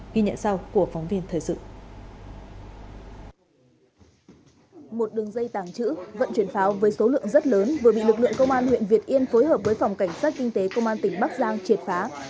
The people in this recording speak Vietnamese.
một đường dây tàng trữ vận chuyển pháo với số lượng rất lớn vừa bị lực lượng công an huyện việt yên phối hợp với phòng cảnh sát kinh tế công an tỉnh bắc giang triệt phá